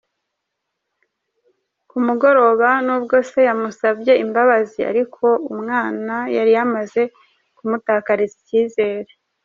Ku mugoroba nubwo se yamusabye imbabazi ariko umwana yari yamaze kumutakariza icyizere.